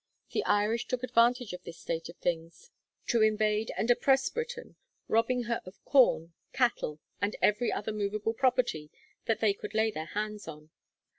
The Irish took advantage of this state of things to invade and oppress Britain, robbing her of corn, cattle, 'and every other moveable property that they could lay their hands on.'